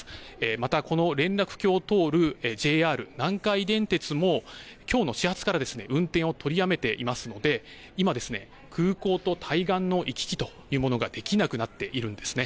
またこの連絡橋を通るＪＲ、南海電鉄もきょうの始発から運転を取りやめていますので今、空港と対岸の行き来というものができなくなっているんですね。